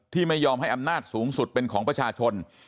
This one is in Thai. ที่ไม่ยอมให้อำนาจสูงสุดเป็นของประชาชน